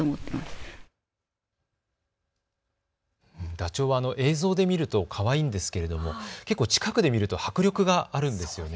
ダチョウは映像で見るとかわいいんですけれども結構近くで見ると迫力があるんですよね。